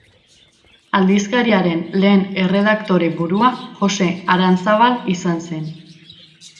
Aldizkariaren lehen erredaktore burua Joxe Aranzabal izan zen.